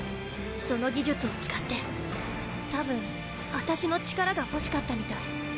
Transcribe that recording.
その技術を使って多分私の力が欲しかったみたい。